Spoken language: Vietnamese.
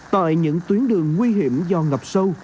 tại những tuyến đường nguy hiểm do ngập sâu